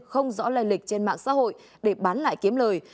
không rõ lây lịch trên mạng xã hội để bán lại kiếm lời